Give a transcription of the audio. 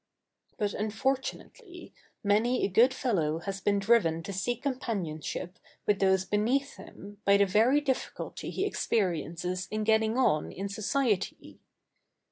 But, unfortunately, many a good fellow has been driven to seek companionship with those beneath him by the very difficulty he experiences in getting on in society.